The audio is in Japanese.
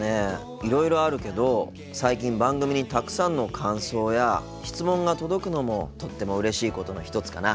いろいろあるけど最近番組にたくさんの感想や質問が届くのもとってもうれしいことの一つかな。